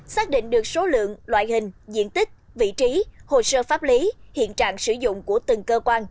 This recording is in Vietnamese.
xác định được số lượng loại hình diện tích vị trí hồ sơ pháp lý hiện trạng sử dụng của từng cơ quan